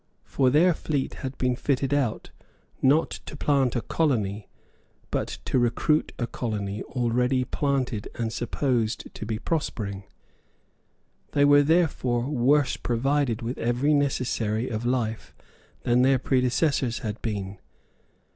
For their fleet had been fitted out, not to plant a colony, but to recruit a colony already planted and supposed to be prospering. They were therefore worse provided with every necessary of life than their predecessors had been.